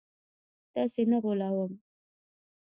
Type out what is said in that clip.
تاسي نه غولوم